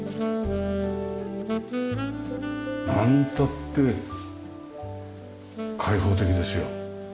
なんたって開放的ですよ。